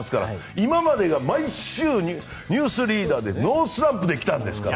今までが毎週「ニュースリーダー」でノースランプで来たんですから。